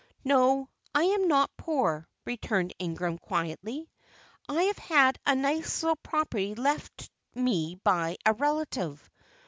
"No, I am not poor," returned Ingram, quietly. "I have had a nice little property left me by a relative.